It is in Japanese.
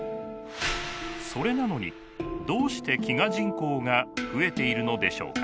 それなのにどうして飢餓人口が増えているのでしょうか？